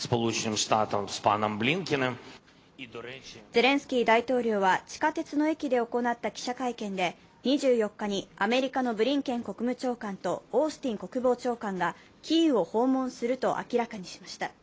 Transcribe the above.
ゼレンスキー大統領は地下鉄の駅で行った記者会見で２４日にアメリカのブリンケン国務長官とオースティン国防長官がキーウを訪問すると明らかにしました。